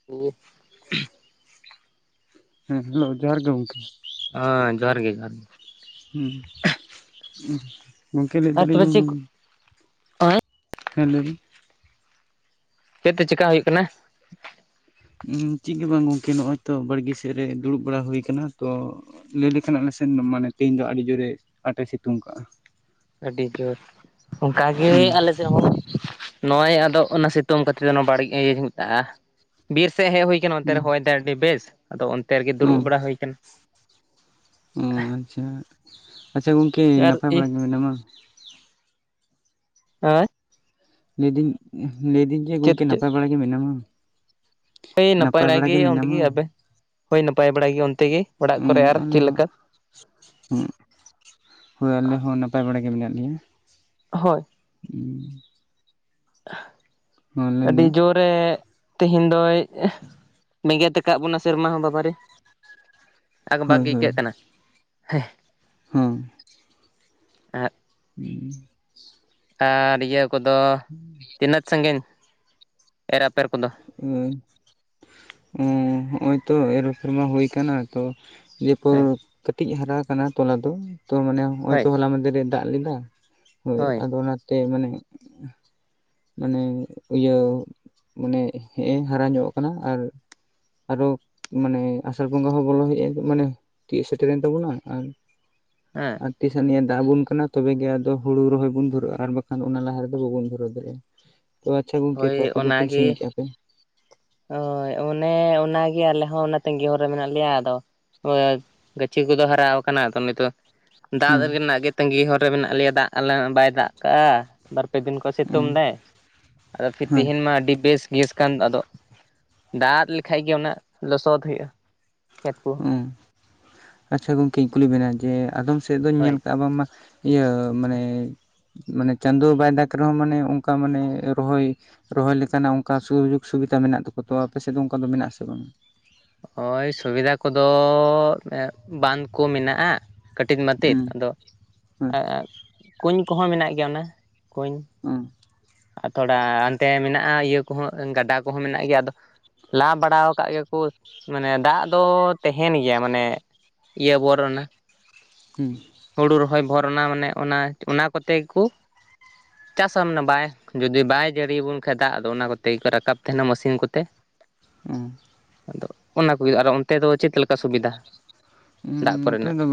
[inaudible] ᱦᱮᱸ ᱦᱮᱞᱳ ᱡᱚᱦᱟᱨ ᱜᱮ ᱜᱚᱝᱠᱮ᱾ ᱦᱮᱸ ᱡᱚᱦᱟᱨ ᱜᱮ ᱡᱚᱦᱟᱨ ᱜᱮ ᱦᱩᱸ ᱜᱚᱢᱠᱮ ᱞᱟᱹᱭ ᱟᱨ ᱛᱚᱵᱮ ᱫᱟᱹᱞᱤᱧᱼᱼ ᱪᱮᱫ ᱠᱚ ᱦᱚᱸᱜᱼᱚᱭ ᱦᱮᱸ ᱞᱟᱹᱭ ᱵᱤᱱ ᱪᱮᱫ ᱛᱮ ᱪᱮᱠᱟ ᱦᱩᱭᱩᱜ ᱠᱟᱱᱟ? ᱪᱮᱫ ᱜᱮ ᱵᱟᱝ ᱜᱚᱝᱠᱮ ᱱᱚᱜᱚᱭ ᱛᱚ ᱵᱟᱲᱜᱮ ᱥᱮᱫ ᱨᱮ ᱫᱩᱲᱩᱵ ᱵᱟᱲᱟ ᱦᱩᱭ ᱟᱠᱟᱱᱟ ᱛᱚᱼᱼ ᱞᱟᱹᱭ ᱞᱮᱠᱷᱟᱱ ᱟᱞᱮᱥᱮᱱ ᱢᱟᱱᱮ ᱛᱮᱦᱮᱧ ᱫᱚ ᱟᱹᱰᱤ ᱡᱳᱨᱮ ᱟᱴᱮ ᱥᱤᱛᱩᱝ ᱠᱟᱜᱼᱟ᱾ ᱟᱹᱰᱤ ᱡᱳᱨ ᱚᱱᱠᱟᱜᱮ ᱦᱩᱸ ᱟᱞᱮᱼᱼ ᱱᱚᱜᱼᱚᱭ ᱟᱫᱚ ᱚᱱᱟ ᱥᱤᱛᱳᱝ ᱠᱷᱟᱹᱛᱤᱨ ᱛᱮ ᱤᱭᱟᱹᱧ ᱢᱮᱛᱟᱜᱼᱟ᱾ ᱵᱤᱨ ᱥᱮᱫ ᱦᱮᱡ ᱦᱩᱭ ᱟᱠᱟᱱᱟ ᱚᱱᱛᱮ ᱨᱮ ᱦᱚᱭ ᱫᱟᱭ ᱟᱹᱰᱤ ᱵᱮᱥ ᱟᱫᱚ ᱚᱱᱛᱮ ᱨᱮᱜᱮ ᱫᱩᱲᱩᱵ ᱵᱟᱲᱟ ᱦᱩᱭ ᱟᱠᱟᱱᱟ᱾ ᱚᱸ ᱟᱪᱪᱷᱟ ᱟᱪᱪᱷᱟ ᱜᱚᱝᱠᱮ ᱟᱨ ᱱᱟᱯᱟᱭ ᱤ ᱵᱟᱲᱟ ᱜᱮ ᱢᱮᱱᱟᱢᱟ, ᱦᱳᱭ ᱞᱟᱹᱭᱫᱟᱹᱧ ᱞᱟᱹᱭᱫᱟᱹᱧ ᱡᱮ ᱪᱮᱫ ᱜᱚᱢᱠᱮ ᱪᱮᱫ ᱱᱟᱯᱟᱭ ᱵᱟᱲᱟ ᱜᱮ ᱢᱮᱱᱟᱢᱟ? ᱦᱳᱭ ᱱᱟᱯᱟᱭ ᱵᱟᱲᱟ ᱜᱮ ᱚᱸᱰᱮ ᱜᱮ ᱟᱵᱮᱱ ᱦᱳᱭ ᱱᱟᱯᱟᱭ ᱵᱟᱲᱟᱭ ᱜᱮ ᱚᱱᱛᱮ ᱜᱮᱼᱼ ᱦᱩᱸ ᱟᱞᱮ ᱦᱚᱸ ᱦᱮᱸ ᱦᱳᱭ ᱟᱞᱮ ᱦᱚᱸ ᱱᱟᱯᱟᱭ ᱵᱟᱲᱟ ᱜᱮ ᱢᱮᱱᱟᱜ ᱞᱮᱭᱟ᱾ ᱦᱳᱭ ᱦᱩᱸ [unintelligible] ᱞᱟᱹᱭ ᱢᱮ ᱟᱹᱰᱤ ᱡᱳᱨᱼᱼ ᱮ ᱛᱮᱦᱤᱧ ᱫᱚᱭ ᱵᱮᱸᱜᱮᱫ ᱟᱠᱟᱫ ᱵᱚᱱᱟ ᱥᱮᱨᱢᱟ ᱦᱚᱸ ᱵᱟᱵᱟᱨᱮᱼᱼ [inaudible] ᱟᱜᱵᱟᱜ ᱜᱮ ᱟᱹᱭᱠᱟᱹᱜ ᱠᱟᱱᱟ ᱦᱮᱸ ᱦᱩᱸ ᱟᱨ [inaudible] ᱦᱮᱸ [inaudible] ᱟᱨ ᱤᱭᱟᱹ ᱠᱚᱫᱚ ᱛᱤᱱᱟᱹᱛ ᱥᱟᱺᱜᱤᱧ ᱮᱨ ᱟᱯᱮᱨ ᱠᱚᱫᱚ? ᱚ ᱦᱚᱜᱼᱚᱭ ᱛᱚ ᱮᱨ ᱟᱯᱷᱮᱨᱢᱟ ᱦᱩᱭ ᱟᱠᱟᱱᱟ ᱛᱚᱼᱼ ᱡᱮ ᱯᱚᱨ ᱦᱳᱭ ᱠᱟᱹᱴᱤᱡ ᱦᱟᱨᱟ ᱟᱠᱟᱱᱟ ᱛᱚᱞᱟ ᱫᱚ ᱛᱚ ᱢᱟᱱᱮ ᱱᱚᱜ ᱚᱭ ᱦᱳᱭ ᱛᱚ ᱦᱚᱞᱟ ᱢᱫᱷᱮ ᱨᱮᱼᱼ ᱫᱟᱜ ᱞᱮᱫᱟ ᱦᱳᱭ ᱟᱫᱚ ᱚᱱᱟᱼᱼ ᱛᱮ ᱢᱟᱱᱮ ᱢᱟᱱᱮ ᱤᱭᱟᱹᱼᱼ ᱢᱟᱱᱮ ᱦᱮᱸᱜ ᱮ ᱦᱟᱨᱟ ᱧᱚᱜ ᱟᱠᱟᱱᱟ ᱟᱨᱼᱼ ᱟᱨᱚ ᱢᱟᱱᱮ ᱟᱥᱟᱲ ᱵᱚᱸᱜᱟ ᱦᱚᱸ ᱵᱚᱞᱚ ᱦᱩᱭᱩᱜᱼᱟ ᱢᱟᱱᱮᱼᱼ ᱛᱤᱭᱳᱜ ᱥᱮᱴᱮᱨᱮᱱ ᱛᱟᱵᱚᱱᱟ ᱟᱨ᱾ ᱦᱮᱸ ᱟᱨ ᱛᱤᱥ ᱟᱱᱤᱡ ᱮ ᱫᱟᱜ ᱟᱵᱚᱱ ᱠᱟᱱᱟ ᱛᱚᱵᱮ ᱜᱮ ᱟᱫᱚ ᱦᱩᱲᱩ ᱨᱚᱦᱚᱭ ᱵᱚᱱ ᱫᱷᱩᱨᱟᱹᱜᱼᱟ ᱟᱨ ᱵᱟᱠᱷᱟᱱ ᱚᱱᱟ ᱞᱟᱦᱟ ᱨᱮᱫᱚ ᱵᱟᱵᱚᱱ ᱫᱷᱩᱨᱟᱹᱣ ᱫᱟᱲᱮᱭᱟᱜᱼᱟ᱾ ᱛᱚ ᱟᱪᱪᱷᱟ ᱜᱚᱝᱠᱮ ᱛᱚ ᱦᱳᱭ ᱟᱯᱮ ᱫᱚᱼᱼ ᱚᱱᱟᱜᱮ᱾ ᱦᱳᱭ ᱚᱱᱮ ᱚᱱᱟᱜᱮ ᱟᱞᱮ ᱦᱚᱸ ᱚᱱᱟ ᱛᱟᱹᱜᱤ ᱦᱚᱨ ᱨᱮ ᱢᱮᱱᱟᱜ ᱞᱮᱭᱟ ᱟᱫᱚᱼᱼ ᱜᱟᱹᱪᱷᱤ ᱠᱚᱫᱚ ᱦᱟᱨᱟ ᱟᱠᱟᱱᱟ ᱛᱚ ᱱᱤᱛᱚᱜ ᱫᱟᱜ ᱦᱮᱸ ᱨᱮᱱᱟᱜ ᱜᱮ ᱛᱟᱺᱜᱤ ᱦᱚᱨ ᱨᱮ ᱢᱮᱱᱟᱜ ᱞᱮᱭᱟ ᱫᱟᱜᱼᱼ ᱟᱞᱮ ᱱᱮ ᱵᱟᱭ ᱫᱟᱜ ᱠᱟᱜ-ᱟ ᱵᱟᱨ-ᱯᱮ ᱫᱤᱱ ᱠᱚ ᱦᱮᱸ ᱥᱤᱛᱩᱝ ᱫᱮᱭᱼᱼ ᱟᱫᱚ ᱯᱷᱤᱨ ᱦᱳᱭ ᱛᱮᱦᱤᱧ ᱢᱟ ᱟᱹᱰᱤ ᱵᱮᱥ ᱜᱮᱥᱼᱼ ᱠᱟᱱ ᱟᱫᱚ ᱫᱟᱜ ᱞᱮᱠᱷᱟᱱ ᱜᱮ ᱚᱱᱟ ᱞᱚᱥᱚᱫ ᱦᱩᱭᱩᱜ-ᱟ, ᱠᱷᱮᱛ ᱠᱚᱼᱼ ᱦᱩᱸ, ᱟᱪᱪᱷᱟ ᱜᱚᱢᱠᱮᱧ ᱠᱩᱞᱤ ᱵᱮᱱᱟ ᱡᱮ ᱟᱫᱚᱢ ᱥᱮᱫ ᱫᱚᱧ ᱦᱳᱭ ᱧᱮᱞ ᱠᱟᱜ-ᱟ ᱵᱟᱝ ᱢᱟᱼᱼ ᱤᱭᱟᱹ ᱢᱟᱱᱮ ᱢᱟᱱᱮ ᱪᱟᱸᱫᱚ ᱵᱟᱭ ᱡᱫᱟᱜᱽ ᱨᱮᱦᱚᱸ ᱢᱟᱱᱮ ᱚᱱᱠᱟ ᱢᱟᱱᱮ ᱨᱚᱦᱚᱭᱼᱼ ᱨᱚᱦᱚᱭ ᱞᱮᱠᱟᱱᱟᱜ ᱚᱱᱠᱟ ᱥᱩ-ᱡᱳᱜᱽ ᱥᱩᱵᱤᱫᱷᱟ ᱢᱮᱱᱟᱜ ᱛᱟᱠᱚ ᱛᱚ ᱟᱯᱮ ᱥᱮᱫ ᱫᱚ ᱚᱱᱠᱟ ᱫᱚ ᱢᱮᱱᱟᱜ ᱟᱥᱮ ᱵᱟᱝ? ᱦᱳᱭ ᱥᱩᱵᱤᱫᱷᱟ ᱠᱚᱫᱚ ᱵᱟᱸᱝ ᱠᱚ ᱢᱮᱱᱟᱜ-ᱟ᱾ ᱠᱟᱹᱴᱤᱡ ᱢᱟᱛᱮᱫ ᱦᱩᱸ ᱟᱫᱚ ᱦᱩᱸ ᱮᱸ ᱠᱩᱸᱧ ᱠᱚᱦᱚᱸ ᱢᱮᱱᱟᱜ ᱜᱮᱭᱟ ᱚᱱᱟ ᱠᱩᱸᱧ, ᱩᱸ ᱟᱨ ᱛᱷᱚᱲᱟ ᱚᱱᱛᱮ ᱢᱮᱱᱟᱜ-ᱟ ᱤᱭᱟᱹ ᱠᱚᱦᱚᱸ ᱜᱟᱰᱟ ᱠᱚᱦᱚᱸ ᱢᱮᱱᱟᱜ ᱜᱮᱭᱟ, ᱟᱫᱚᱼᱼ ᱞᱟ ᱵᱟᱲᱟᱣ ᱵᱟᱠᱟᱣ ᱠᱟᱜ -ᱜᱮᱠᱚ ᱢᱟᱱᱮ ᱫᱟᱜ ᱫᱚ ᱛᱟᱦᱮᱸᱱ ᱜᱮᱭᱟ, ᱢᱟᱱᱮᱼᱼ ᱤᱭᱟᱹ ᱵᱚᱨᱚᱱᱟ, ᱦᱩᱸ ᱦᱩᱲᱩ ᱨᱚᱦᱚᱭ ᱵᱷᱚᱨᱱᱟ ᱚᱱᱟ ᱢᱟᱱᱮ ᱚᱱᱟ ᱠᱚᱛᱮ ᱜᱮᱠᱚ ᱪᱟᱥᱟ ᱢᱟᱱᱮ ᱵᱟᱭᱼᱼ ᱡᱩᱫᱤ ᱵᱟᱭ ᱡᱟᱹᱲᱤᱭᱟᱵᱚᱱ ᱠᱷᱟᱡ ᱫᱟᱜ ᱫᱚ ᱚᱱᱟ ᱠᱚᱛᱮ ᱜᱮᱠᱚ ᱨᱟᱠᱟᱵ ᱛᱟᱦᱮᱸᱱᱟ ᱢᱮᱥᱤᱱ ᱠᱚᱛᱮ, ᱚᱸ ᱟᱫᱚ ᱚᱱᱟ ᱠᱚᱜᱮ ᱚᱱᱛᱮ ᱫᱚ ᱪᱮᱫ ᱞᱮᱠᱼᱼ ᱩᱸ ᱱᱚᱛᱮ ᱫᱚᱼᱼ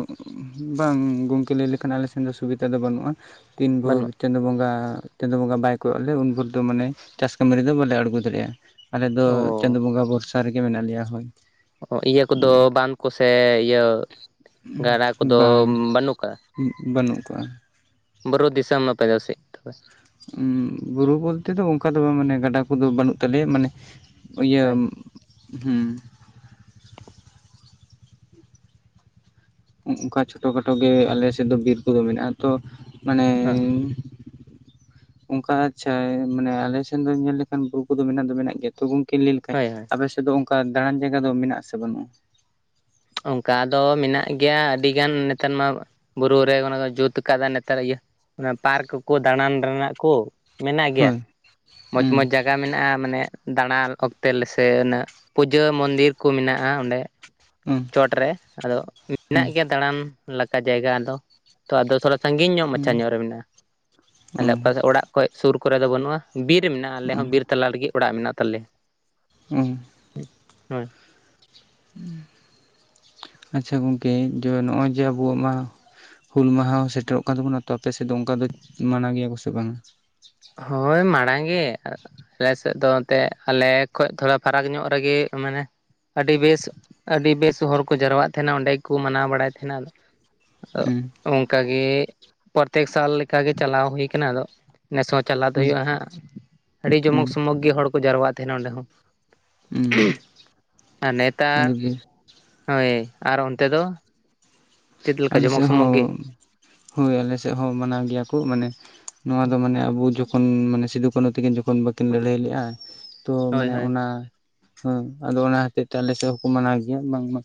ᱵᱟᱝ ᱜᱚᱝᱠᱮ ᱞᱟᱹᱭ ᱞᱮᱠᱷᱟᱱ ᱟᱞᱮ ᱥᱮᱱ ᱫᱚ ᱥᱩᱵᱤᱫᱟ ᱫᱚ ᱵᱟᱹᱱᱩᱜ-ᱟ, ᱛᱤᱱ ᱵᱷᱳᱨᱼᱼ ᱵᱟᱹᱱᱩᱜ ᱪᱟᱸᱫᱳ ᱵᱚᱸᱜᱟ-ᱪᱟᱸᱫᱳ ᱵᱚᱸᱜᱟ ᱵᱟᱭ ᱠᱚᱭᱚᱜ ᱞᱮ ᱩᱱ ᱵᱷᱳᱨ ᱫᱚ ᱢᱟᱱᱮ ᱪᱟᱥ ᱠᱟᱹᱢᱤ ᱨᱮᱫᱚ ᱵᱟᱞᱮ ᱟᱬᱜᱚᱱᱟ ᱫᱟᱲᱮᱭᱟᱜ-ᱟ, ᱟᱞᱮ ᱫᱚ ᱚ ᱪᱟᱸᱫᱳ ᱵᱚᱸᱜᱟ ᱵᱷᱚᱨᱥᱟ ᱨᱮᱜᱮ ᱢᱮᱱᱟᱜ ᱞᱮᱭᱟ᱾ ᱦᱳᱭᱼᱼ ᱦᱚᱸ ᱤᱭᱟᱹ ᱠᱚᱫᱚ ᱵᱟᱸᱫᱷ ᱠᱚᱥᱮ ᱤᱭᱟᱹ ᱜᱟᱰᱟ ᱠᱚᱫᱚ ᱵᱟᱹᱱᱩᱜ ᱠᱟᱜ-ᱟ? ᱩᱸ ᱵᱟᱹᱱᱩᱜ ᱠᱟᱜ-ᱟ᱾ ᱵᱟᱨᱩ ᱫᱤᱥᱚᱢ ᱟᱯᱮ ᱫᱚ ᱥᱮᱫ ᱠᱟᱼᱼ ᱵᱩᱨᱩ ᱵᱚᱞᱛᱮ ᱫᱚ ᱚᱱᱠᱟ ᱫᱚ ᱵᱟᱝ ᱢᱟᱱᱮ ᱜᱟᱰᱟ ᱠᱚᱫᱚ ᱵᱟᱹᱱᱩᱜ ᱛᱟᱞᱮᱭᱟ, ᱢᱟᱱᱮᱼᱼ ᱦᱳᱭ ᱤᱭᱟᱹᱢ ᱦᱩᱸ ᱚᱱᱠᱟ ᱪᱷᱳᱴᱳ-ᱠᱷᱟᱴᱳ ᱜᱮ ᱟᱞᱮ ᱥᱮᱫ ᱫᱚ ᱵᱤᱨ ᱠᱚᱫᱚ ᱢᱮᱱᱟᱜ-ᱟ ᱛᱚ, ᱢᱟᱱᱮᱸᱼᱼ ᱦᱮᱸ ᱚᱱᱠᱟ ᱟᱪᱪᱷᱟ ᱢᱟᱱᱮᱸ ᱟᱞᱮ ᱥᱮᱱ ᱫᱚ ᱧᱮᱞ ᱞᱮᱠᱷᱟᱱ ᱵᱩᱨᱩ ᱠᱚᱫᱚ ᱢᱮᱱᱟᱜ ᱫᱚ ᱢᱮᱱᱟᱜ ᱜᱮᱭᱟ ᱛᱚ ᱜᱚᱝᱠᱼᱼ ᱠᱮ ᱞᱟᱹᱭ ᱞᱮᱠᱷᱟᱡ ᱦᱳᱭ ᱦᱳᱭ ᱟᱯᱮ ᱥᱮᱫ ᱫᱚ ᱚᱱᱠᱟ ᱫᱟᱬᱟᱱ ᱡᱟᱭᱜᱟ ᱫᱚ ᱢᱮᱱᱟᱹᱜ ᱟᱥᱮ ᱵᱟᱹᱱᱩᱜ-ᱟ? ᱚᱱᱠᱟ ᱫᱚ ᱢᱮᱱᱟᱜ ᱜᱮᱭᱟ ᱟᱹᱰᱤᱜᱟᱱ ᱱᱮᱛᱟᱨ ᱢᱟᱼᱼ ᱵᱩᱨᱩ ᱨᱮ ᱚᱱᱟ ᱠᱚ ᱡᱩᱛ ᱟᱸᱠᱟᱫᱟ ᱱᱮᱛᱟᱨ ᱤᱭᱟᱹ ᱚᱱᱟ ᱯᱟᱨᱠ ᱠᱚ ᱫᱟᱬᱟᱱ ᱨᱮᱱᱟᱜ ᱠᱩᱼᱼ ᱢᱮᱱᱟᱜ ᱜᱮᱭᱟ ᱦᱳᱭ ᱦᱩᱸ ᱢᱚᱡᱽ-ᱢᱚᱡᱽ ᱡᱟᱜᱟ ᱢᱮᱱᱟᱜ-ᱟ ᱢᱟᱱᱮ ᱫᱟᱬᱟᱱ ᱚᱠᱛᱮ ᱟᱞᱮ ᱥᱮᱜ ᱩᱱᱟᱹᱜᱼᱼ ᱯᱩᱡᱟᱹ ᱢᱚᱱᱫᱤᱨ ᱠᱚ ᱢᱮᱱᱟᱜ-ᱟ ᱚᱸᱰᱮ, ᱦᱩᱸ ᱪᱚᱴ ᱨᱮ ᱟᱫᱚ ᱦᱮᱱᱟᱜ ᱜᱮᱭᱟ ᱫᱟᱬᱟᱱ ᱞᱮᱠᱟ ᱡᱟᱭᱜᱟ ᱟᱫᱚ᱾ ᱛᱚ ᱟᱫᱚ ᱛᱷᱚᱲᱟ ᱥᱟᱺᱜᱤᱧ ᱧᱚᱜ ᱦᱩᱸ ᱢᱟᱪᱷᱟ ᱧᱚᱜ ᱨᱮ ᱢᱮᱱᱟᱜ-ᱟ, ᱟᱸᱞᱮ ᱦᱩᱸ ᱚᱠᱟ ᱚᱲᱟᱜ ᱠᱷᱚᱡ ᱥᱩᱨ ᱠᱚᱨᱮ ᱫᱚ ᱵᱟᱹᱱᱩᱜ-ᱟ᱾ ᱵᱤᱨ ᱢᱮᱱᱟᱜᱼᱟ ᱟᱞᱮ ᱦᱩᱸ ᱦᱚᱸ ᱵᱤᱨ ᱛᱟᱞᱟ ᱞᱟᱹᱜᱤᱫ ᱚᱲᱟᱜ ᱢᱮᱱᱟᱜ ᱛᱟᱞᱮ᱾ ᱩᱸ ᱟᱪᱪᱟ ᱩᱸ ᱟᱪᱪᱷᱟ ᱜᱚᱝᱠᱮ ᱡᱮ ᱱᱚᱜ-ᱚᱭ ᱡᱮ ᱟᱵᱚᱣᱟ-ᱜ ᱢᱟᱸᱼᱼ ᱦᱩᱞ ᱢᱟᱦᱟᱸ ᱦᱚᱸ ᱥᱮᱴᱮᱨᱚ-ᱜ ᱠᱟᱱ ᱛᱟᱵᱚᱱᱟ ᱛᱚ ᱟᱯᱮ ᱥᱮᱫ ᱫᱚ ᱚᱱᱠᱟ ᱫᱚ ᱢᱟᱱᱟᱣ ᱜᱮᱭᱟ ᱠᱚ ᱥᱮ ᱵᱟᱸᱝ-ᱟ? ᱦᱳᱭ ᱢᱟᱲᱟᱝ ᱜᱮ, ᱟᱞᱮ ᱥᱮᱫ ᱫᱚ ᱮᱱᱛᱮᱜ ᱟᱸᱞᱮ ᱠᱷᱚᱡ ᱛᱷᱚᱲᱟ ᱯᱷᱟᱨᱟᱠ ᱧᱚᱜ ᱨᱮᱜᱮ ᱢᱟᱸᱱᱮᱼᱼ ᱟᱹᱰᱤ ᱵᱮᱥ-ᱟᱹᱰᱤ ᱵᱮᱥ ᱦᱚᱲᱹ ᱠᱚ ᱡᱟᱣᱨᱟᱜ ᱛᱟᱦᱮᱸᱱᱟ ᱚᱸᱰᱮ ᱜᱮᱸᱠᱚ ᱢᱟᱱᱟᱣ ᱵᱟᱲᱟᱭ ᱛᱟᱦᱮᱸᱱᱟ ᱟᱫᱚ᱾ ᱩᱸ ᱚᱱᱠᱟᱹᱞ ᱜᱮ ᱯᱨᱚᱛᱮᱠ ᱥᱟᱞ ᱞᱮᱠᱟᱜ ᱜᱮ ᱪᱟᱞᱟᱹᱣ ᱦᱩᱭᱩ ᱟᱼᱠᱟᱱᱟ ᱟᱫᱚ᱾ ᱱᱮᱥ ᱦᱚᱸ ᱪᱟᱞᱟᱹᱣ ᱫᱚ ᱦᱩᱸ ᱦᱩᱭᱩᱜᱼᱟ ᱦᱟᱸᱜ᱾ ᱟᱹᱰᱤ ᱦᱩᱸ ᱡᱚᱢᱚᱠ ᱥᱚᱢᱚᱠ ᱜᱮ ᱦᱚᱲ ᱠᱚ ᱡᱟᱨᱣᱟᱜ ᱛᱟᱹᱦᱮᱱᱟ ᱚᱸᱰᱮ ᱦᱚᱸ ᱾ ᱦᱩᱸ ᱟᱨ ᱱᱮᱛᱟᱨ ᱟᱹᱰᱤᱜᱮ ᱦᱳᱭ ᱟᱨ ᱚᱱᱛᱮ ᱫᱚ᱾ ᱪᱮᱫ ᱞᱮᱠᱟ ᱟᱸᱞᱮ ᱡᱚᱢᱚᱠ ᱥᱮᱫ ᱥᱚᱢᱚᱠ ᱦᱚᱸ ᱜᱮ ᱦᱳᱭ ᱟᱸᱞᱮ ᱥᱮᱫ ᱦᱚᱸ ᱢᱟᱹᱱᱟᱣ ᱜᱮᱭᱟ ᱠᱚ ᱢᱟᱹᱱᱮᱼᱼ ᱱᱚᱣᱟ ᱫᱚ ᱢᱟᱹᱱᱮ ᱟᱸᱵᱚ ᱡᱚᱹᱠᱷᱚᱱ ᱢᱟᱱᱮ ᱥᱤᱫᱩᱼ ᱠᱟᱹᱱᱦᱩ ᱛᱟᱹᱠᱤᱱ ᱡᱚᱹᱠᱷᱚᱱ ᱵᱟᱹᱠᱤᱱ ᱞᱟᱹᱲᱦᱟᱹᱭ ᱞᱮᱜᱼᱟᱼᱼ ᱛᱚ ᱦᱳᱭ ᱢᱟᱹᱱᱮ ᱦᱳᱭ ᱚᱱᱟ ᱦᱮᱸ ᱟᱫᱚ ᱚᱱᱟ ᱦᱚᱛᱮᱡ ᱛᱮ ᱟᱸᱞᱮ ᱥᱮᱫ ᱦᱚᱸᱠᱚ ᱢᱟᱹᱱᱟᱣ ᱜᱮᱹᱭᱟ ᱵᱟᱝᱹᱢᱟ᱾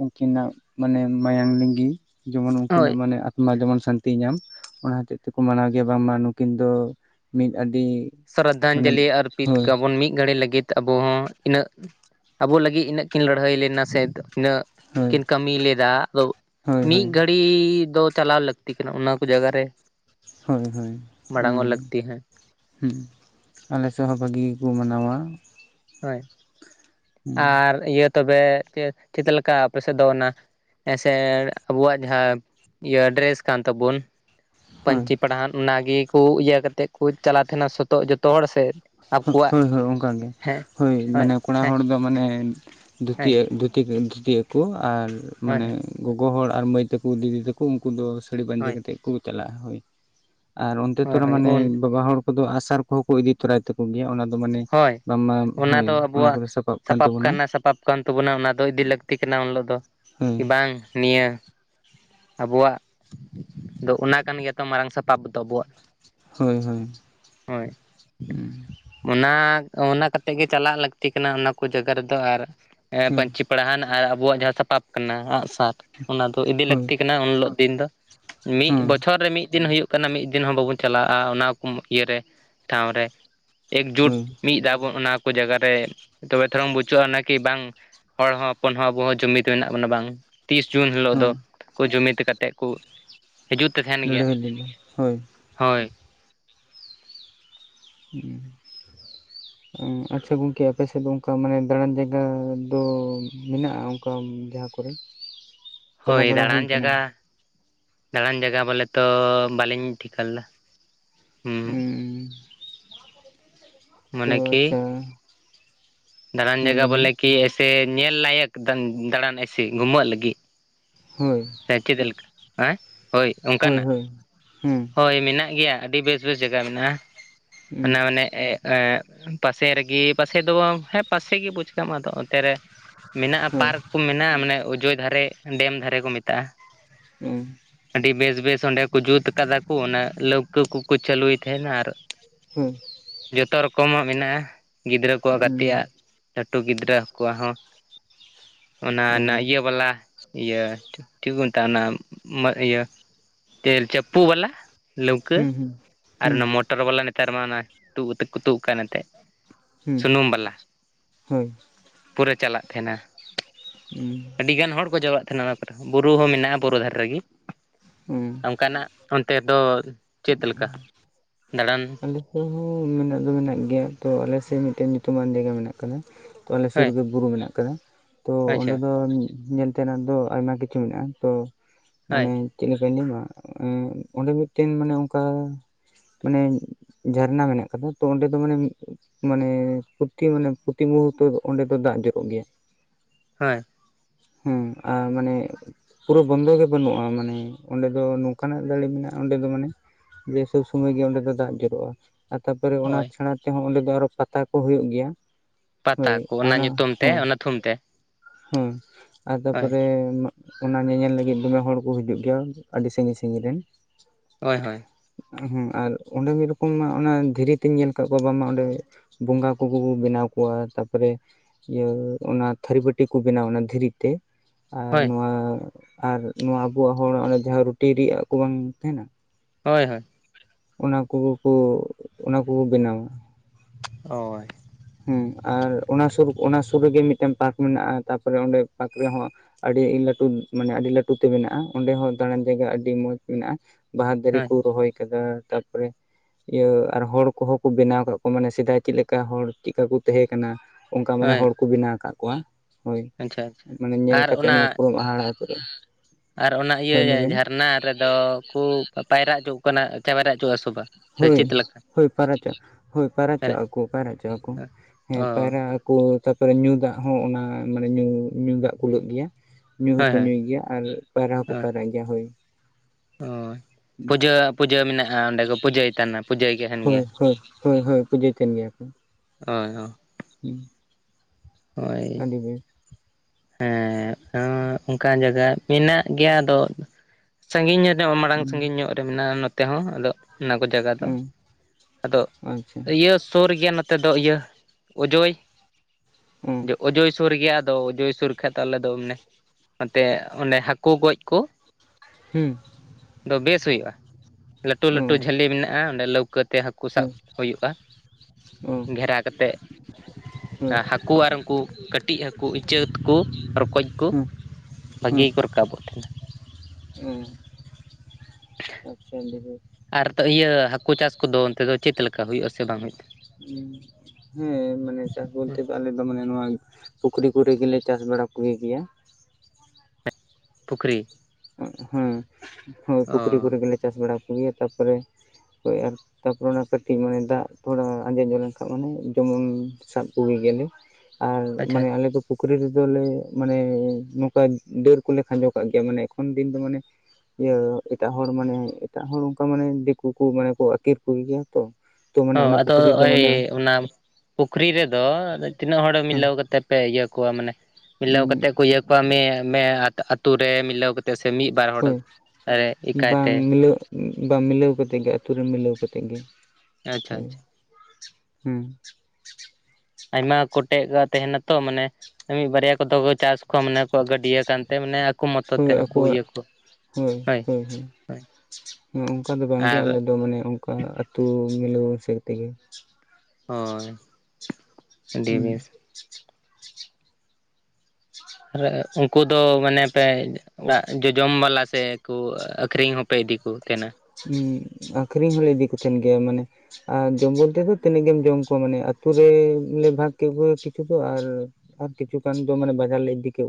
ᱩᱱᱠᱤᱱᱟᱼᱜ ᱢᱟᱹᱱᱮ ᱢᱟᱭᱟᱝ ᱞᱤᱸᱜᱤ ᱡᱮᱢᱚᱱ ᱦᱳᱭ ᱩᱱᱠᱤᱱᱟᱼᱜ ᱢᱟᱹᱱᱮ ᱟᱛᱢᱟ ᱡᱮᱢᱚᱱ ᱥᱟᱱᱼᱼ ᱞᱟᱹᱛᱤ ᱧᱟᱢ ᱚᱱᱟ ᱦᱚᱛᱮᱡ ᱛᱮᱠᱚ ᱢᱟᱹᱱᱟᱣ ᱜᱮᱹᱭᱟ ᱵᱟᱝᱹᱢᱟ ᱱᱩᱠᱤᱱ ᱫᱚ ᱢᱤᱫ ᱟᱹᱰᱤᱼᱼ ᱥᱨᱚᱫᱷᱟᱧᱸᱡᱚᱞᱤ ᱟᱨᱯᱤᱛ ᱠᱟᱵᱚᱱ ᱢᱤᱫ ᱜᱷᱟᱹᱲᱤᱡ ᱞᱟᱹᱜᱤᱫ᱾ ᱟᱸᱵᱚ ᱦᱚᱸ ᱤᱱᱟᱹᱜ ᱟᱸᱵᱚ ᱞᱟᱹᱜᱤᱫ ᱤᱱᱟᱹᱜ ᱠᱤᱱ ᱞᱟᱹᱲᱦᱟᱹᱭ ᱞᱮᱱᱟ ᱥᱮᱼᱼ ᱤᱱᱟᱹᱜ ᱦᱳᱭ ᱠᱤᱱ ᱠᱟᱹᱢᱤ ᱞᱮᱸᱫᱟ ᱟᱫᱚ ᱦᱳᱭ ᱢᱤᱫ ᱦᱳᱭ ᱜᱷᱟᱹᱲᱤ ᱫᱚ ᱪᱟᱞᱣ ᱞᱟᱹᱠᱛᱤᱼᱼ ᱞᱟᱹᱛᱤ ᱠᱟᱱᱟ ᱚᱱᱟ ᱠᱚ ᱡᱟᱭᱜᱟ ᱨᱮ᱾ ᱦᱳᱭᱸ ᱦᱳᱭᱸ ᱢᱟᱲᱟᱝᱚᱜ ᱚᱱᱟᱜᱮ᱾ ᱞᱟᱹᱠᱛᱤ ᱦᱮᱸ ᱦᱩ ᱟᱞᱮᱥᱮᱫ ᱦᱚᱸ ᱵᱷᱟᱹᱜᱤ ᱜᱮᱸᱠᱚ ᱢᱟᱱᱟᱣᱟ᱾ ᱦᱳᱭ ᱦᱮᱸ ᱟᱨ ᱤᱭᱟᱹ ᱛᱚᱵᱮ ᱪᱮᱫ ᱞᱮᱠᱟ ᱟᱯᱮᱥᱮᱫ ᱫᱚ ᱚᱱᱟ᱾ ᱦᱮᱸᱥᱮ ᱟᱵᱚᱣᱟᱼᱜ ᱡᱟᱦᱟᱸ ᱤᱭᱟᱹ ᱰᱨᱮᱥ ᱠᱟᱱ ᱛᱟᱹᱵᱩᱱ᱾ ᱦᱳᱭ ᱯᱟᱹᱧᱪᱤ ᱯᱟᱲᱦᱟ ᱚᱱᱟ ᱜᱮᱠᱚᱸ ᱤᱭᱟᱹ ᱠᱟᱛᱮᱫ ᱠᱚ ᱪᱟᱞᱟᱼᱜ ᱛᱟᱦᱮᱱᱟ ᱥᱚᱛᱚ ᱡᱚᱛᱚ ᱦᱚᱲ ᱥᱮᱫ᱾ ᱦᱳᱭ ᱦᱳᱭ ᱚᱱᱠᱟᱜᱮ ᱦᱳᱭ ᱢᱟᱱᱮ ᱠᱚᱲᱟ ᱦᱚᱲ ᱫᱚ ᱢᱟᱱᱮᱼᱼ ᱦᱮᱸ ᱦᱳᱭ ᱫᱷᱩᱛᱤᱜ ᱟᱠᱚᱸ ᱟᱨ ᱦᱳᱭ ᱢᱟᱱᱮ ᱜᱚᱜᱚ ᱦᱚᱲ ᱟᱨ ᱢᱟᱹᱭ ᱛᱟᱠᱚ ᱫᱤᱫᱤ ᱛᱟᱹᱠᱚᱸᱼᱼ ᱩᱱᱠᱩ ᱥᱟᱹᱲᱤ ᱵᱟᱸᱡᱮ ᱦᱳᱭ ᱠᱟᱹᱛᱮ ᱠᱚ ᱪᱟᱞᱟᱜᱼᱟ ᱦᱳ ᱟᱨ ᱚᱱᱛᱮ ᱦᱳᱭ ᱛᱚᱨᱟ ᱦᱳᱭ ᱢᱟᱱᱮ ᱦᱳᱭ ᱵᱟᱵᱟ ᱦᱚᱲᱼᱼ ᱫᱚ ᱟᱥᱟᱨ ᱠᱚᱦᱚᱸ ᱠᱚ ᱤᱫᱤᱼᱼ ᱛᱚᱨᱟᱭ ᱛᱟᱠᱚ ᱜᱮᱭᱟ ᱚᱱᱟ ᱫᱚ ᱢᱟᱹᱱᱮ ᱦᱳᱭ ᱵᱟᱝ ᱚᱱᱟ ᱦᱳᱭ ᱫᱚ ᱚᱱᱟ ᱟᱵᱚᱣᱟᱜ ᱠᱚᱫᱚᱸ ᱥᱟᱯᱟᱵ ᱠᱟᱱ ᱛᱟᱹᱵᱚᱱᱟ᱾ ᱠᱟᱱᱟ ᱥᱟᱯᱟᱵ ᱠᱟᱱ ᱛᱟᱹᱵᱚᱱᱟᱹ ᱚᱱᱟ ᱫᱚ ᱤᱫᱤ ᱞᱟᱹᱠᱛᱤ ᱠᱟᱱᱟ ᱩᱱ ᱦᱤᱞᱳᱜ ᱫᱚ᱾ ᱦᱩᱸ ᱵᱟᱝ ᱱᱤᱭᱟᱹᱼᱼ ᱟᱸᱵᱚᱣᱟᱜ ᱫᱚ ᱚᱱᱟ ᱠᱟᱱ ᱜᱮᱭᱟ ᱛᱚ ᱢᱟᱨᱟᱝ ᱥᱟᱯᱟᱵ ᱫᱚ ᱟᱸᱵᱚᱣᱟᱜ᱾ ᱦᱳᱭ ᱦᱳᱭ ᱦᱩᱸ ᱚᱱᱟ ᱚᱱᱟ ᱠᱟᱛᱮᱜ ᱜᱮ ᱪᱟᱞᱟᱜ ᱞᱟᱹᱠᱛᱤ ᱠᱟᱱᱟ ᱚᱱᱟ ᱠᱚ ᱡᱟᱭᱜᱟ ᱨᱮᱫᱚ ᱟᱨ ᱦᱳᱭ ᱯᱟᱹᱧᱪᱤ ᱯᱟᱲᱦᱟᱱᱼᱼ ᱟᱨ ᱟᱵᱚᱣᱟᱼᱜ ᱡᱟᱦᱟᱸ ᱥᱟᱯᱟᱵ ᱠᱟᱱᱟ ᱟᱸᱜᱼᱥᱟᱨ ᱚᱱᱟ ᱫᱚ ᱤᱫᱤ ᱦᱳᱭ ᱞᱟᱹᱠᱛᱤ ᱠᱟᱱᱟ ᱩᱱᱦᱤᱞᱳᱼᱜ ᱫᱤᱱ ᱫᱚ᱾ ᱢᱤᱜ ᱦᱮᱸ ᱵᱚᱪᱷᱚᱨ ᱨᱮ ᱢᱤᱜ ᱫᱤᱱ ᱦᱩᱭᱩᱜᱼᱼ ᱠᱟᱱᱟ ᱢᱤᱜ ᱫᱤᱱ ᱦᱚᱸ ᱵᱟᱵᱚᱱ ᱪᱟᱞᱟᱜᱼᱟ ᱚᱱᱟ ᱠᱚ ᱤᱭᱟᱹᱨᱮ ᱴᱷᱟᱶ ᱨᱮ᱾ ᱮᱠᱡᱩᱴ ᱦᱳᱭ ᱢᱤᱜ ᱫᱟᱵᱚᱱ ᱚᱱᱟ ᱠᱚ ᱡᱟᱜᱟ ᱨᱮ ᱛᱚᱵᱮ ᱛᱷᱚᱨᱚᱝ ᱵᱩᱪᱚᱜᱼᱟ ᱱᱟᱠᱤ ᱵᱟᱝ᱾ ᱦᱚᱲ ᱦᱚᱸ ᱦᱚᱯᱚᱱ ᱦᱚᱸ ᱟᱵᱚ ᱦᱚᱸ ᱡᱩᱢᱤᱫ ᱢᱮᱱᱟᱜ ᱵᱚᱱᱟ ᱵᱟᱝ, ᱛᱤᱥ ᱡᱩᱱ ᱦᱤᱞᱳᱜ ᱫᱚ ᱦᱮᱸ ᱡᱩᱢᱤᱫ ᱠᱟᱛᱮᱜ ᱠᱩ ᱦᱤᱡᱩᱜ ᱛᱮ ᱛᱟᱦᱮᱱ ᱜᱮᱭᱟ᱾ ᱞᱟᱹᱲᱦᱟᱹᱭ ᱞᱮᱫᱟ ᱦᱳᱭ ᱦᱳᱭ [inaudible] ᱟᱪᱪᱷᱟ ᱜᱚᱝᱠᱮ ᱟᱯᱮ ᱥᱮᱫ ᱚᱝᱠᱟ ᱢᱟᱱᱮ ᱫᱟᱬᱟᱱ ᱡᱟᱭᱜᱟ ᱫᱚ ᱢᱮᱱᱟᱜᱼᱟ ᱚᱝᱠᱟ ᱡᱟᱦᱟᱸ ᱠᱚᱼᱼ ᱠᱚᱨᱮ, ᱪᱟᱞᱟᱣ ᱦᱳᱭ ᱵᱟᱲᱟ ᱦᱩᱭ ᱫᱟᱬᱟᱱ ᱠᱟᱱᱟ ᱡᱟᱭᱟ ᱫᱟᱬᱟᱱ ᱡᱟᱭᱟ ᱵᱚᱞᱮ ᱛᱚ ᱵᱟᱹᱞᱤᱧ ᱴᱷᱤᱠᱟᱹ ᱞᱮᱫᱟ᱾ ᱦᱩᱸ ᱛᱚ ᱢᱟᱱᱮ ᱠᱤ ᱟᱪᱪᱷᱟ᱾ ᱫᱟᱬᱟᱱ ᱢᱟ ᱡᱟᱭᱜᱟ ᱞᱟᱹᱭ ᱵᱮᱱ ᱵᱚᱞᱮ ᱠᱤ ᱮᱥᱮ ᱧᱮᱞ ᱞᱟᱭᱚᱠ ᱫᱟᱱ ᱫᱟᱬᱟᱱ ᱮᱥᱮ ᱜᱩᱢᱟᱹᱜ ᱞᱟᱹᱜᱤᱜ᱾ ᱦᱳᱭ ᱥᱮ ᱪᱮᱫ ᱞᱮᱠᱟ ᱟᱸ ᱦᱳᱭ ᱚᱝᱠᱟᱱᱟᱜ ᱦᱩᱸ ᱦᱳᱭ ᱢᱮᱱᱟᱜ ᱜᱮᱭᱟ ᱟᱹᱰᱤ ᱵᱮᱥᱼᱼ ᱨᱮ ᱡᱟᱭᱜᱟ ᱢᱮᱱᱟᱜᱼᱟ, ᱩᱸ ᱚᱱᱟ ᱢᱟᱱᱮ ᱮ ᱯᱟᱥᱮ ᱨᱮᱜᱤ ᱯᱟᱥᱮ ᱫᱚ ᱵᱟᱢ ᱦᱮᱸ ᱯᱟᱥᱮ ᱜᱮ ᱵᱩᱡᱽ ᱠᱟ ᱢᱮ ᱟᱫᱚ ᱚᱱᱛᱮ ᱨᱮ ᱢᱮᱱᱟᱜᱼᱟ ᱦᱳᱭ ᱯᱟᱨᱠ᱾ ᱠᱚ ᱢᱮᱱᱟᱜᱼᱟ, ᱢᱟᱱᱮ ᱚᱡᱚᱭ ᱫᱷᱟᱨᱮ ᱰᱮᱢ ᱫᱷᱟᱨᱮ ᱠᱚ ᱢᱮᱛᱟᱜᱼᱟ᱾ ᱦᱩᱸ ᱟᱹᱰᱤ ᱵᱮᱥ ᱵᱮᱥ ᱚᱸᱰᱮ ᱠᱚ ᱡᱩᱛ ᱠᱟᱫᱟ ᱠᱚ ᱚᱱᱟ ᱞᱟᱹᱣᱠᱟᱹ ᱠᱚᱠᱚ ᱪᱟᱹᱞᱩᱭ ᱛᱟᱦᱮᱱᱟ ᱟᱨ ᱦᱮᱸ ᱡᱚᱛᱚ ᱨᱚᱠᱚᱢᱟᱜ ᱢᱮᱱᱟᱜᱼᱟ ᱜᱤᱫᱽᱨᱟᱹ ᱠᱚᱣᱟᱜ ᱜᱟᱛᱮ ᱩᱸ ᱞᱟᱹᱴᱩ ᱜᱤᱫᱽᱨᱟᱹ ᱠᱚᱣᱟᱜ ᱦᱚᱸ ᱚᱱᱟ ᱩᱸ ᱚᱱᱟ ᱤᱭᱟᱹ ᱵᱟᱞᱟ ᱤᱭᱟᱹ ᱪᱮᱜ ᱠᱩ ᱢᱮᱛᱟᱜ ᱚᱱᱟ ᱢᱟᱜ ᱤᱭᱟᱹ ᱛᱮᱞ ᱪᱟᱯᱯᱩ ᱵᱟᱞᱟ᱾ ᱞᱟᱹᱣᱠᱟᱹ ᱦᱩᱸ ᱦᱩᱸ ᱟᱨ ᱦᱩᱸ ᱚᱱᱟ ᱢᱚᱴᱚᱨ ᱵᱟᱞᱟ ᱱᱮᱛᱟᱨ ᱢᱟ ᱚᱱᱟ ᱛᱩᱜ ᱛᱮᱜ ᱠᱚ ᱛᱩᱜ ᱠᱟᱱ ᱮᱱᱛᱮᱜ᱾ ᱦᱩᱸ ᱦᱳᱭ ᱯᱩᱨᱟᱹ ᱪᱟᱞᱟᱜ ᱛᱟᱦᱮᱱᱟ᱾ ᱦᱩᱸ ᱟᱹᱰᱤ ᱜᱟᱱ ᱦᱚᱲ ᱠᱚ ᱡᱟᱣᱨᱟᱜ ᱛᱟᱦᱮᱱᱟ ᱚᱱᱟ ᱠᱚᱨᱮᱜ ᱵᱩᱨᱩ ᱦᱚᱸ ᱢᱮᱱᱟᱜᱼᱟ ᱵᱩᱨᱩ ᱫᱷᱟᱨᱮ ᱨᱮᱜᱤ ᱦᱩᱸ ᱚᱝᱠᱟᱱᱟᱜ ᱚᱱᱛᱮ ᱫᱚ ᱪᱮᱛ ᱞᱮᱠᱟ ᱫᱟᱬᱟᱱ᱾ ᱟᱞᱮ ᱥᱮᱜ ᱦᱚᱸ ᱢᱮᱱᱟᱜ ᱫᱚ ᱢᱮᱱᱟᱜ ᱜᱮᱭᱟ ᱛᱚ ᱟᱞᱮᱥᱮᱜ ᱢᱤᱫᱴᱮᱱ ᱧᱩᱛᱩᱢᱟᱱ ᱡᱟᱭᱜᱟ ᱢᱮᱱᱟᱜ ᱠᱟᱫᱟ᱾ ᱛᱚ ᱟᱞᱮ ᱥᱩᱨ ᱦᱳᱭ ᱨᱮᱜᱮ ᱵᱩᱨᱩ ᱢᱮᱱᱟᱜ ᱠᱟᱫᱟ ᱛᱚ ᱚᱸᱰᱮ ᱟᱪᱪᱷᱟ ᱫᱚ ᱧᱮᱞ ᱛᱮᱱᱟᱜ ᱫᱚ ᱟᱭᱢᱟ ᱠᱤᱪᱷᱩ ᱢᱮᱱᱟᱜᱼᱟ, ᱛᱚ ᱢᱟᱱᱮ ᱦᱳᱭ ᱪᱮᱜ ᱞᱮᱠᱟᱧ ᱞᱮᱭᱟᱢᱟ ᱮᱸᱜ ᱚᱸᱰᱮ ᱢᱤᱫᱴᱮᱱ ᱢᱟᱱᱮ ᱚᱱᱠᱟ ᱢᱟᱱᱮ ᱡᱷᱟᱨᱱᱟ ᱢᱮᱱᱟᱜ ᱠᱟᱫᱟ ᱛᱚ ᱚᱸᱰᱮ ᱫᱚ ᱢᱟᱱᱮ ᱢᱤᱜ ᱢᱟᱱᱮ ᱯᱩᱛᱛᱤ ᱢᱟᱱᱮ ᱯᱩᱛᱤ ᱢᱩᱦᱩᱨᱛᱚ ᱚᱸᱰᱮ ᱫᱚ ᱫᱟᱜ ᱡᱚᱨᱚᱜ ᱜᱮᱭᱟ᱾ ᱦᱳᱭ ᱦᱩᱸ ᱟ ᱢᱟᱱᱮ ᱯᱩᱨᱟᱹ ᱵᱚᱱᱫᱚ ᱫᱚ ᱵᱟᱹᱱᱩᱜᱼᱟ ᱢᱟᱱᱮ ᱚᱸᱰᱮ ᱫᱚ ᱱᱚᱝᱠᱟᱱᱟᱜ ᱫᱟᱲᱮ ᱢᱮᱱᱟᱜᱼᱟ, ᱚᱸᱰᱮ ᱫᱚ ᱢᱟᱱᱮ ᱡᱮ ᱥᱚᱵᱽ ᱥᱩᱢᱚᱭ ᱜᱮ ᱚᱸᱰᱮ ᱫᱚ ᱫᱟᱜ ᱡᱚᱨᱚᱜᱼᱟ ᱟ ᱛᱟᱯᱚᱨᱮ ᱚᱱᱟ ᱦᱳᱭ ᱪᱷᱟᱲᱟ ᱛᱮᱦᱚᱸ ᱚᱸᱰᱮ ᱫᱚ ᱟᱨᱚ ᱯᱟᱛᱟ ᱠᱚ ᱦᱩᱭᱩᱜ ᱜᱮᱭᱟ᱾ ᱯᱟᱛᱟ ᱦᱳᱭ ᱠᱚ ᱚᱱᱟ ᱧᱩᱛᱩᱢ ᱛᱮ ᱚᱱᱟ ᱛᱷᱩᱢ ᱛᱮ᱾ ᱦᱩᱸ ᱟᱨ ᱦᱳᱭ ᱛᱟᱯᱚᱨᱮ ᱚᱱᱟ ᱧᱮᱧᱮᱞ ᱞᱟᱹᱜᱤᱫ ᱫᱚᱢᱮ ᱦᱚᱲ ᱠᱚ ᱦᱤᱡᱩᱜ ᱜᱮᱭᱟ ᱟᱹᱰᱤ ᱥᱟᱺᱜᱤᱧ ᱥᱟᱺᱜᱤᱧ ᱨᱮᱱ᱾ ᱦᱳᱭ ᱦᱳᱭ ᱦᱩᱸ ᱟᱨ ᱚᱸᱰᱮ ᱢᱤᱫ ᱨᱚᱠᱚᱢ ᱠᱚᱢ ᱢᱟ ᱚᱱᱟ ᱫᱷᱤᱨᱤ ᱛᱤᱧ ᱧᱮᱞ ᱠᱟᱜ ᱠᱚᱣᱟ ᱵᱟᱝᱢᱟ ᱚᱸᱰᱮ ᱵᱚᱸᱜᱟ ᱠᱚᱠᱚ ᱠᱚ ᱵᱮᱱᱟᱣ ᱠᱚᱣᱟ ᱛᱟᱯᱚᱨᱮ, ᱤᱭᱟᱹ ᱚᱱᱟ ᱛᱷᱟᱹᱨᱤ ᱵᱟᱹᱴᱤ ᱠᱚ ᱵᱮᱱᱟᱣᱟ ᱚᱱᱟ ᱫᱷᱤᱨᱤ ᱛᱮ ᱟᱨ ᱦᱳᱭ ᱱᱚᱣᱟ ᱟᱨ ᱱᱚᱣᱟ ᱟᱵᱩᱣᱟᱜ ᱦᱚᱲ ᱡᱟᱦᱟᱸ ᱨᱩᱴᱤ ᱨᱤᱜᱼᱟᱜ ᱠᱚ ᱵᱟᱝ ᱛᱟᱦᱮᱱᱟ᱾ ᱦᱳᱭ ᱦᱳᱭ ᱚᱱᱟ ᱠᱚᱜᱩ ᱠᱩ ᱚᱱᱟ ᱠᱚᱠᱚ ᱵᱮᱱᱟᱣᱟ᱾ ᱚᱭ ᱦᱮᱸ ᱟᱨ ᱚᱱᱟ ᱥᱩᱨ ᱚᱱᱟ ᱥᱩᱨ ᱨᱮᱜᱮ ᱢᱤᱫᱴᱮᱱ ᱯᱟᱨᱠ ᱢᱮᱱᱟᱜᱼᱟ ᱛᱟᱯᱚᱨᱮ ᱚᱸᱰᱮ ᱯᱟᱨᱠ ᱨᱮᱦᱚᱸ ᱟᱹᱰᱤ ᱞᱟᱹᱴᱩ ᱢᱟᱱᱮ ᱟᱹᱰᱤ ᱞᱟᱹᱴᱩᱛᱮ ᱢᱮᱱᱟᱜᱼᱟ, ᱚᱸᱰᱮ ᱦᱚᱸ ᱫᱟᱬᱟᱱ ᱡᱟᱭᱜᱟ ᱟᱹᱰᱤ ᱢᱚᱸᱡᱽ ᱢᱮᱱᱟᱜᱼᱟ᱾ ᱵᱟᱦᱟ ᱫᱟᱨᱮ ᱦᱳᱭ ᱠᱚ ᱨᱚᱦᱚᱭ ᱠᱟᱫᱟ ᱛᱟᱯᱚᱨᱮ᱾ ᱤᱭᱟᱹ ᱟᱨ ᱦᱚᱲ ᱠᱚᱦᱚᱸ ᱠᱚ ᱵᱮᱱᱟᱣ ᱠᱟᱜ ᱠᱚᱣᱟ ᱢᱟᱱᱮ ᱥᱮᱫᱟᱭ ᱪᱮᱫ ᱞᱮᱠᱟ ᱦᱚᱲ ᱪᱮᱫᱠᱟ ᱠᱚ ᱛᱟᱦᱮᱸ ᱠᱟᱱᱟ᱾ ᱚᱱᱠᱟ ᱢᱟᱱᱮ ᱦᱳᱭ ᱦᱚᱲ ᱠᱚ ᱵᱮᱱᱟᱣ ᱠᱟᱫ ᱠᱚᱣᱟ, ᱦᱳᱭ ᱟᱪᱪᱷᱟ ᱟᱪᱪᱷᱟ ᱢᱟᱱᱮ ᱧᱮᱞ ᱟᱨ ᱠᱟᱛᱮ ᱢᱟᱱᱮ ᱚᱱᱟ ᱯᱩᱨᱟᱹ ᱦᱟᱦᱟ [inaudible] ᱟᱨ ᱚᱱᱟ ᱤᱭᱟᱹ ᱡᱷᱟᱨᱱᱟ ᱨᱮᱫᱚ ᱠᱚ ᱯᱟᱭᱨᱟ ᱚᱪᱚᱜ ᱠᱟᱱᱟ ᱪᱟ ᱯᱟᱭᱨᱟ ᱚᱪᱚᱜᱼᱟ ᱥᱮ ᱵᱟᱝ? ᱥᱮ ᱦᱳᱭ ᱪᱮᱫ ᱞᱮᱠᱟ ᱦᱳᱭ ᱯᱟᱭᱨᱟ ᱦᱚᱪᱚ ᱟᱠᱚ ᱾ ᱦᱳᱭ ᱯᱟᱭᱨᱟ ᱦᱚᱪᱚ ᱟᱠᱚ ᱯᱟᱭᱨᱟ ᱦᱟᱪᱚ ᱟᱠᱚ, ᱦᱮᱸ ᱚ ᱯᱟᱭᱨᱟ ᱠᱚ ᱛᱟᱯᱚᱨᱮ ᱧᱩ ᱫᱟᱜ ᱦᱚᱸ, ᱚᱱᱟ ᱢᱟᱱᱮ ᱧᱩ ᱧᱩ ᱫᱟᱜ ᱠᱩᱞᱟᱹᱜ ᱜᱮᱭᱟ ᱾ ᱧᱩ ᱦᱳᱭ ᱦᱚᱸᱠᱚ ᱧᱩᱭ ᱜᱮᱭᱟ ᱟᱨ ᱯᱟᱭᱨᱟ ᱦᱚᱸᱠᱚ ᱯᱟᱭᱨᱟᱜ ᱜᱮᱭᱟ, ᱦᱳᱭ ᱾ ᱚ, ᱯᱩᱡᱟᱹ ᱯᱩᱡᱟᱹ ᱢᱮᱱᱟᱜᱼᱟ ᱚᱸᱰᱮ ᱠᱚ ᱯᱩᱡᱟᱹᱭ ᱛᱟᱦᱮᱱᱟ ᱾ ᱦᱳᱭ ᱦᱳᱭ, ᱦᱳᱭ ᱦᱳᱭ ᱯᱩᱡᱟᱹ ᱛᱟᱦᱮᱱ ᱜᱮᱭᱟ ᱠᱚ ᱾ ᱦᱳᱭ ᱦᱳ ᱦᱩᱻ ᱟᱹᱰᱤ ᱵᱮᱥ ᱾ ᱦᱮᱸ ᱚᱱᱠᱟᱱ ᱡᱟᱭᱜᱟ ᱢᱮᱱᱟᱜ ᱜᱮᱭᱟ ᱾ ᱟᱫᱚ ᱥᱟᱺᱜᱤᱧ ᱧᱚ ᱧᱚᱜ ᱢᱟᱲᱟᱝ ᱦᱩᱸ ᱥᱟᱺᱜᱤᱧ ᱧᱚᱜ ᱨᱮ ᱢᱮᱱᱟᱜᱼᱟ ᱱᱚᱛᱮ ᱦᱚᱸ ᱾ ᱟᱫᱚ ᱚᱱᱟ ᱠᱚ ᱡᱟᱭᱜᱟ ᱫᱚ ᱦᱩᱸ ᱾ [inaudible] ᱟᱫᱚ ᱟᱪᱪᱷᱟ ᱤᱭᱟᱹ ᱥᱩᱨ ᱜᱮᱭᱟ ᱱᱚᱛ ᱱᱚᱛᱮ ᱫᱚ ᱤᱭᱟᱹ ᱚᱡᱚᱭ ᱦᱩᱸ ᱾ ᱚᱡᱚᱭ ᱥᱩᱨ ᱜᱮᱭᱟ, ᱟᱫᱚ ᱚᱡᱚᱭ ᱥᱩᱨ ᱠᱷᱟᱡ ᱛᱚ ᱟᱞᱮ ᱫᱚ ᱢᱟᱱᱮ ᱱᱚᱛᱮ ᱢᱟᱱᱮ ᱦᱟᱹᱠᱩ ᱜᱚᱡ ᱠᱚ ᱦᱩᱸ ᱾ ᱫᱚ ᱵᱮᱥ ᱦᱩᱭᱩᱜᱼᱟ ᱾ ᱞᱟᱹᱴᱩ ᱚ ᱞᱟᱹᱴᱩ ᱡᱷᱟᱹᱞᱤ ᱢᱮᱱᱟᱜᱼᱟ, ᱚᱸᱰᱮ ᱞᱟᱹᱣᱠᱟᱹ ᱛᱮ ᱦᱟᱹᱠᱩ ᱥᱟᱵ ᱦᱮᱸ ᱦᱩᱭᱩᱜᱼᱟ ᱾ ᱚ ᱜᱷᱮᱨᱟ ᱠᱟᱛᱮᱫ ᱦᱳᱭ [inaudible] ᱦᱟᱹ ᱠᱩ ᱟᱨ ᱩᱱᱠᱩ ᱠᱟᱹᱴᱤᱡ ᱦᱟᱹᱠᱩ, ᱤᱪᱟᱹᱜ ᱠᱚ, ᱨᱚᱠᱚᱡ ᱠᱚ ᱾ ᱦᱮᱸ ᱵᱷᱟᱜᱮ ᱜᱮᱠᱚ ᱨᱟᱠᱟᱵᱚᱜ ᱛᱟᱦᱮᱱᱟ ᱾ ᱚᱻ ᱟᱪᱪᱷᱟ [unintelligible] ᱟᱨ ᱛᱚ ᱤᱭᱟᱹ ᱦᱟᱹᱠᱩ ᱪᱟᱥ ᱠᱚᱫᱚ ᱚᱱᱛᱮ ᱫᱚ ᱪᱮᱫ ᱞᱮᱠᱟ ᱦᱩᱭᱩᱜᱼᱟ ᱥᱮ ᱵᱟᱝ ᱦᱩᱭᱩᱜ-ᱟ? ᱦᱮᱸ, ᱢᱟᱱᱮ ᱪᱟᱥ ᱵᱚᱞᱛᱮ ᱫᱚ ᱟᱞᱮ ᱫᱚ ᱢᱟᱱᱮ ᱱᱚᱣᱟ ᱯᱩᱠᱷᱨᱤ ᱠᱚᱨᱮ ᱜᱮᱞᱮ ᱪᱟᱥ ᱵᱟᱲᱟ ᱠᱚᱜᱮ ᱜᱮᱭᱟ ᱾ ᱯᱩᱠᱷᱨᱤ ᱾ ᱦᱮᱸ, ᱦᱳᱭ ᱯᱩᱠᱷᱨᱤ ᱠᱚᱨᱮ ᱜᱮᱞᱮ ᱪᱟᱥ ᱵᱟᱲᱟ ᱠᱚᱜᱮᱭᱟ ᱾ ᱛᱟᱯᱚᱨᱮ ᱦᱳᱭ ᱟᱨ ᱛᱟᱯᱚᱨᱮ ᱚᱱᱟ ᱠᱟᱹᱴᱤᱡ ᱢᱟᱱᱮ ᱫᱟᱜ ᱛᱷᱚᱲᱟ ᱟᱸᱡᱮᱫ ᱧᱚᱜ ᱞᱮᱱᱠᱷᱟᱱ ᱢᱟᱱᱮ ᱡᱮᱢᱚᱱ ᱥᱟᱵ ᱠᱚ ᱜᱮᱭᱟ ᱞᱮ ᱟᱨ ᱟᱪᱪᱷᱟ ᱢᱟᱱᱮ ᱟᱪᱪᱷᱟ ᱟᱞᱮ ᱫᱚ ᱯᱩᱠᱷᱨᱤ ᱨᱮᱫᱚ ᱞᱮ ᱢᱟᱱᱮ ᱱᱚᱝᱠᱟ ᱰᱟᱹᱨ ᱠᱚᱞᱮ ᱠᱷᱟᱸᱡᱚ ᱠᱟᱜ ᱜᱮᱭᱟ ᱾ ᱢᱟᱱᱮ ᱮᱠᱷᱚᱱ ᱫᱤᱱ ᱫᱚ ᱢᱟᱱᱮ ᱤᱭᱟᱹ ᱮᱴᱟᱜ ᱦᱚᱲ ᱢᱟᱱᱮ ᱮᱴᱟᱜ ᱦᱚᱲ ᱚᱱᱠᱟ ᱢᱟᱱᱮ ᱫᱤᱠᱩ ᱠᱚ ᱢᱟᱱᱮ ᱠᱚ ᱟᱹᱠᱤᱨ ᱠᱩ ᱜᱮᱭᱟ ᱛᱚ ᱾ ᱦᱳ ᱟᱫᱚ ᱳᱭ ᱚᱱᱟ ᱯᱩᱠᱷᱨᱤ ᱨᱮᱫᱚ ᱛᱤᱱᱟᱹᱜ ᱦᱚᱲ ᱢᱤᱞᱟᱹᱣ ᱠᱟᱛᱮᱫ ᱯᱮ ᱤᱭᱟᱹ ᱠᱚᱣᱟ, ᱢᱟᱱᱮ ᱢᱤᱞᱟᱹᱣ ᱦᱮᱸ ᱠᱟᱛᱮᱫ ᱠᱚ ᱤᱭᱟᱹ ᱠᱚᱣᱟ ᱢᱮ ᱢᱮ ᱟᱛᱩ ᱨᱮ ᱢᱤᱞᱟᱹᱣ ᱠᱟᱛ ᱥᱮ ᱢᱤᱫ ᱵᱟᱨ ᱦᱚᱲ ᱦᱳᱭ ᱨᱮ ᱮᱠᱟᱭ ᱛᱮ ᱾ ᱵᱟ ᱢᱤᱞᱟᱹᱣ ᱠᱟᱛᱮ ᱜᱮ ᱟᱹᱛᱩ ᱨᱮᱱ ᱢᱤᱞᱟᱹᱣ ᱠᱟᱛᱮ ᱜᱮ, ᱟᱪᱪᱷᱟ ᱦᱮᱸ ᱟᱪᱪᱷᱟ ᱾ ᱦᱩᱸᱻ ᱟᱭᱢᱟ ᱠᱚᱴᱮᱡ ᱛᱟᱦᱮᱱᱟ ᱛᱚ ᱢᱟᱱᱮ ᱢᱤᱫ ᱵᱟᱨᱭᱟ ᱠᱚᱫᱚ ᱠᱚ ᱪᱟᱥ ᱠᱚᱣᱟ ᱾ ᱢᱟᱱᱮ ᱟᱠᱚᱣᱟᱜ ᱜᱟᱹᱰᱭᱟᱹ ᱠᱟᱱᱛᱮ ᱢᱟᱱᱮ ᱢᱚᱛᱚ ᱦᱳᱭ ᱛᱮᱦᱚᱸ ᱠᱚ ᱟᱠᱚᱣᱟᱜ, ᱤᱭᱟᱹ ᱠᱚᱣᱟ ᱦᱳᱭ ᱦᱳᱭ ᱦᱳᱭ ᱾ ᱚᱱᱠᱟ ᱫᱚ ᱵᱟᱝ ᱜᱮ ᱾ ᱟᱨ ᱟᱞᱮ ᱫᱚ ᱢᱟᱱᱮ ᱚᱱᱠᱟ ᱟᱹᱛᱩ ᱢᱤᱞᱟᱹᱣ ᱥᱮᱫ ᱛᱮᱜᱮ ᱦᱳᱭ ᱾ ᱦᱩᱸ ᱾ ᱟᱨ ᱩᱱᱠᱩ ᱫᱚ ᱢᱟᱱᱮ ᱯᱮᱭ ᱡᱚᱡᱚᱢ ᱵᱟᱞᱟ ᱥᱮ ᱠᱚ ᱟᱹᱠᱷᱨᱤᱧ ᱦᱚᱸᱯᱮ ᱤᱫᱤ ᱠᱚ ᱛᱟᱦᱮᱱᱟ᱾ ᱦᱚᱸ ᱟᱹᱠᱷᱨᱤᱧ ᱦᱚᱸᱞᱮ ᱤᱫᱤ ᱠᱚ ᱛᱟᱦᱮᱱ ᱜᱮᱭᱟ ᱢᱟᱱᱮ, ᱟᱨ ᱡᱚᱢ ᱵᱚᱞᱛᱮ ᱫᱚ ᱛᱤᱱᱟᱹᱜ ᱜᱮᱢ ᱡᱚᱢ ᱠᱚᱣᱟ ᱢᱟᱱᱮ ᱟᱹᱛᱩ ᱨᱮᱞᱮ ᱵᱷᱟᱜᱽ ᱠᱮᱫ ᱠᱚᱜᱮ ᱠᱤᱪᱷᱩ ᱫᱚ ᱟᱨ, ᱟᱨ ᱠᱤᱪᱷᱩᱜᱟᱱ ᱫᱚ ᱢᱟᱱᱮ ᱵᱟᱡᱟᱨ ᱞᱮ ᱤᱫᱤ ᱠᱮ